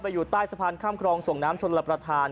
อยู่ใต้สะพานข้ามครองส่งน้ำชนรับประทาน